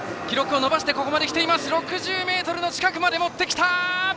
６０ｍの近くまで持ってきた！